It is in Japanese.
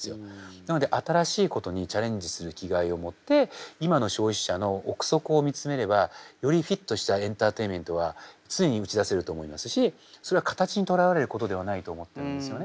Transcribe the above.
なので新しいことにチャレンジする気概を持って今の消費者の臆測を見つめればよりフィットしたエンターテインメントは常に打ち出せると思いますしそれは形にとらわれることではないと思ってるんですよね。